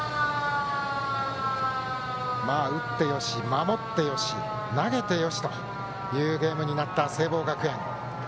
打ってよし、守ってよし投げてよしというゲームになった聖望学園。